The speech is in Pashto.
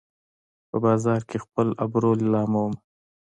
په بازار کې خپل ابرو لیلامومه